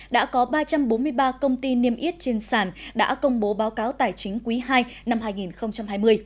đã có ba trăm bốn mươi ba công ty niêm yết trên sàn đã công bố báo cáo tài chính quý ii năm hai nghìn hai mươi